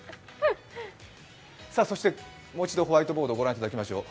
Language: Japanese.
さぁ、そしてもう一度ホワイトボードを御覧いただきましょう。